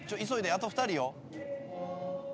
あと２人よ。